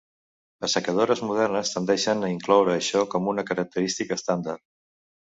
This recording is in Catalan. Assecadores modernes tendeixen a incloure això com una característica estàndard.